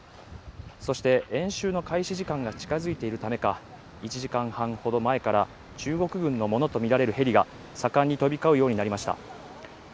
そして演習の開始時間が近づいているためか１時間半ほど前から中国軍のものとみられるヘリが盛んに飛び交うようになりました